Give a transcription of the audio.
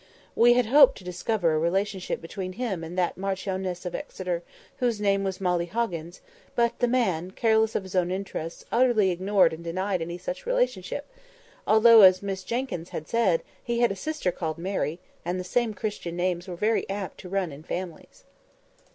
We had hoped to discover a relationship between him and that Marchioness of Exeter whose name was Molly Hoggins; but the man, careless of his own interests, utterly ignored and denied any such relationship, although, as dear Miss Jenkyns had said, he had a sister called Mary, and the same Christian names were very apt to run in families.